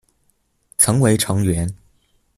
曾为成员。